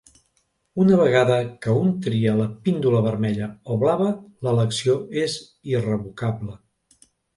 Una vegada que un tria la píndola vermella o blava, l'elecció és irrevocable.